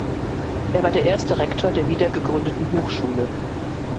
Er war der erste Rektor der wiedergegründeten Hochschule.